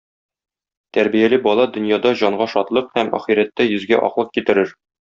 Тәрбияле бала дөньяда җанга шатлык һәм ахирәттә йөзгә аклык китерер.